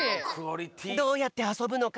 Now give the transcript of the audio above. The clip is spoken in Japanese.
どうやってあそぶのか